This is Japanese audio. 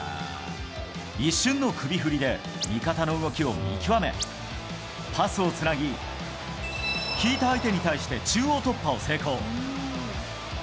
一瞬の首振りで味方の動きを見極め、パスをつなぎ、引いた相手に対して中央突破を成功。